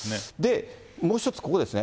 もう１つここですね。